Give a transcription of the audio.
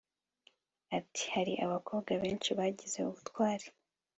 ati hari abakobwa benshi bagize ubutwari